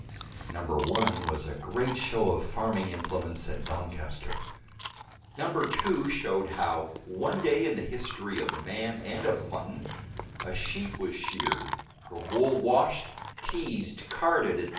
No. 1 was a great show of farming implements at Doncaster. No. 2 showed how, one day in the history of man and of mutton, a sheep was sheared, her wool washed, teased, carded, etc.